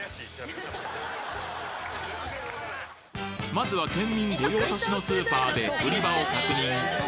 まずは県民御用達のスーパーで売り場を確認